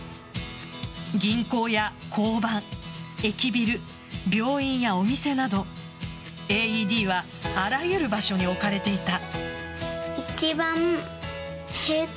銀行や交番、駅ビル病院やお店などＡＥＤはあらゆる場所に置かれていた。